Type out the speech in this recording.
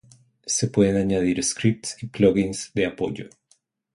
Se pueden añadir scripts y plugins de apoyo.